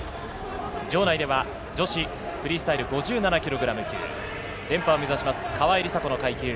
場内では女子フリースタイル５７ｋｇ級、連覇を目指します川井梨紗子の階級。